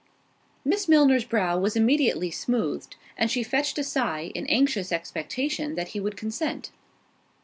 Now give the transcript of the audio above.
Miss Milner's brow was immediately smoothed; and she fetched a sigh, in anxious expectation that he would consent.